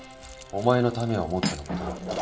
「お前のためを思ってのことだった」